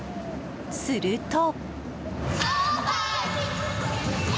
すると。